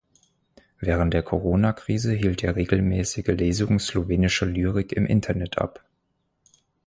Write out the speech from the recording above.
Während der Coronakrise hielt er regelmäßige Lesungen slowenischer Lyrik im Internet ab.